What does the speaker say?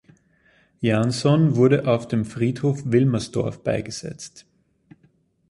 Janson wurde auf dem Friedhof Wilmersdorf beigesetzt.